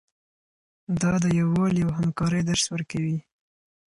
دا د یووالي او همکارۍ درس ورکوي.